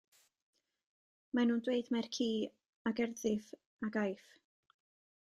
Maen nhw'n dweud mai'r ci a gerddiff a gaiff.